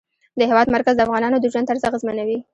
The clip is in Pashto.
د هېواد مرکز د افغانانو د ژوند طرز اغېزمنوي.